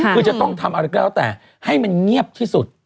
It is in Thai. คือจะต้องทำอะไรก็แล้วแต่ให้มันเงียบที่สุด